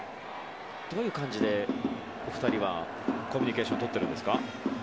どういう感じでお二人はコミュニケーションとってますか？